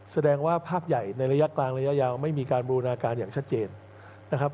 แสดงว่าภาพใหญ่ในระยะกลางระยะยาวไม่มีการบูรณาการอย่างชัดเจนนะครับ